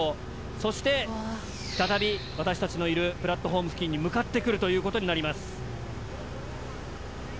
そして再び私達のいるプラットホーム付近に向かってくるという事になります。